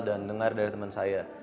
dan dengar dari temen saya